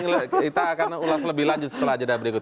kita akan ulas lebih lanjut setelah jeda berikut